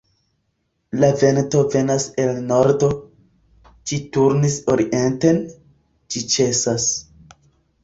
La vento venas el nordo; ĝi turnis orienten, ĝi ĉesas.